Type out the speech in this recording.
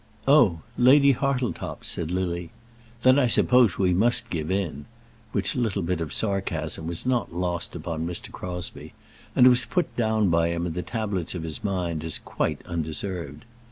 "Oh! Lady Hartletop's!" said Lily. "Then I suppose we must give in;" which little bit of sarcasm was not lost upon Mr. Crosbie, and was put down by him in the tablets of his mind as quite undeserved.